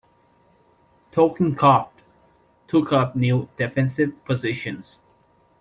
"Totenkopf" took up new defensive positions.